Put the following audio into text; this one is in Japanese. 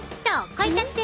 越えちゃって！